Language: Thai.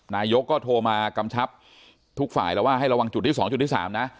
นายกก็โทรมากำชับทุกฝ่ายแล้วว่าให้ระวังจุดที่๒จุดที่๓นะ